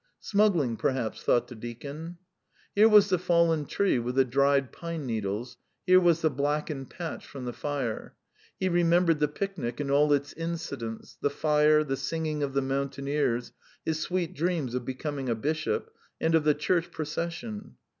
"Smuggling, perhaps," thought the deacon. Here was the fallen tree with the dried pine needles, here was the blackened patch from the fire. He remembered the picnic and all its incidents, the fire, the singing of the mountaineers, his sweet dreams of becoming a bishop, and of the Church procession.